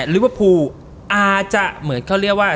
ลิเวอร์พูลอาจจะเหมือนเขาเรียกว่า